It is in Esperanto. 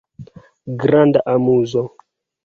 Granda amuzo.